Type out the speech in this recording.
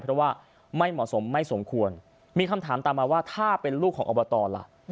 เพราะว่าไม่เหมาะสมไม่สมควรมีคำถามตามมาว่าถ้าเป็นลูกของอบตล่ะ